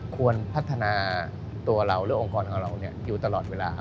ควรพัฒนาตัวเราหรือองค์กรของเราอยู่ตลอดเวลาครับ